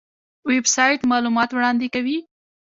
ویب سایټ معلومات وړاندې کوي